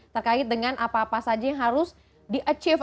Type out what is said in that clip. terkait dengan apa apa saja yang harus di achieve